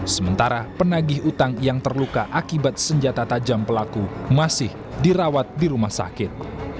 sementara penagih utang yang terluka akibat senjata tajam pelaku masih dirawat di rumah sakit